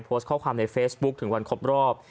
โพสต์ข้อความในเฟซบุ๊คถึงวันครบรอบ